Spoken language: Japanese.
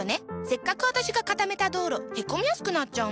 せっかく私が固めた道路へこみやすくなっちゃうの。